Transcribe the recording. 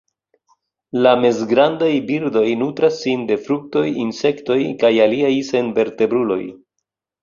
La mezgrandaj birdoj nutras sin de fruktoj, insektoj kaj aliaj senvertebruloj.